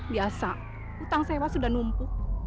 biasa utang sewa sudah numpuk